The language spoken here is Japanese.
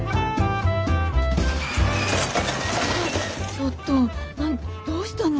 ちょっとどうしたの？